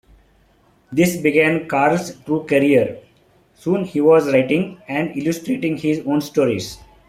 This began Carle's true career; soon he was writing and illustrating his own stories.